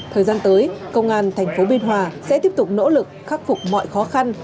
thời gian tới công an thành phố biên hòa sẽ tiếp tục nỗ lực khắc phục mọi khó khăn